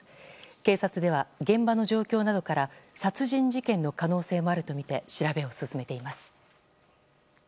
警察では現場の状況などから殺人事件の可能性もあるとみて調べを進めています。